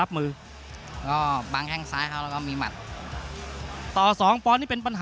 แล้วอาจเป็นหลังของ